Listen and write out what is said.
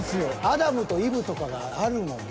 アダムとイヴとかがあるもん。